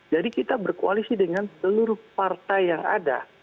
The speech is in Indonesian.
jadi kita berkoalisi dengan seluruh partai yang ada